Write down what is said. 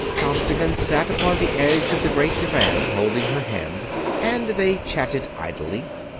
Costigan sat upon the edge of the great divan holding her hand, and they chatted idly.